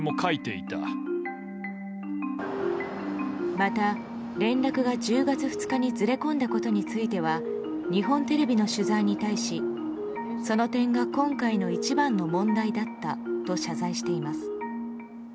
また、連絡が１０月２日にずれ込んだことについては日本テレビの取材に対しその点が今回の一番の問題だったと謝罪しています。